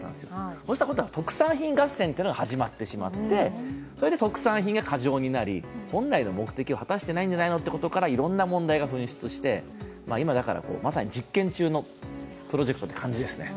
そしたら今度は特産品合戦みたいになっていってそれで特産品が過剰になり、本来の目的を果たしていないんじゃないのということからいろんな問題が噴出して今、だからまさに実験中のプロジェクトという感じですね。